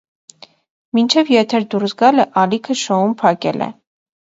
Մինչև եթեր դուրս գալը ալիքը շոուն փակել է։